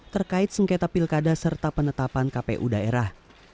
terkait sengketa pilkada serta penetapan kpu daerah